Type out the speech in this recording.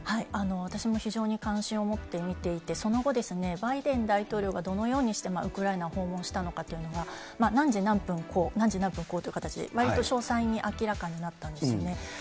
私も非常に関心を持って見ていて、その後ですね、バイデン大統領がどのようにしてウクライナを訪問したのかというのが、何時何分こう、何時何分という形でわりと詳細に明らかになったんですよね。